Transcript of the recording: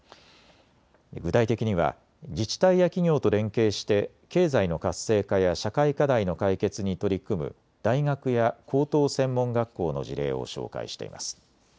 具体的には自治体や企業と連携して経済の活性化や社会課題の解決に取り組む大学や高等専門学校の事例を紹介しています。